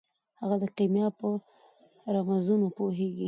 هغه د کیمیا په رمزونو پوهیږي.